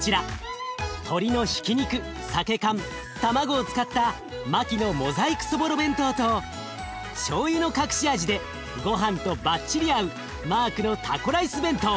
鶏のひき肉さけ缶卵を使ったマキのモザイクそぼろ弁当としょうゆの隠し味でごはんとバッチリ合うマークのタコライス弁当。